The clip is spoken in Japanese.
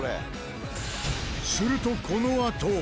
するとこのあと。